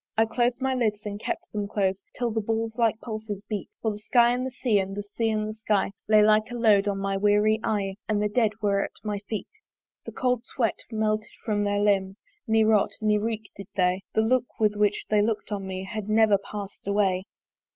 I clos'd my lids and kept them close, Till the balls like pulses beat; For the sky and the sea, and the sea and the sky Lay like a load on my weary eye, And the dead were at my feet. The cold sweat melted from their limbs, Ne rot, ne reek did they; The look with which they look'd on me, Had never pass'd away.